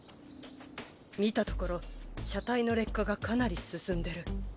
見たところ車体の劣化がかなり進んでる。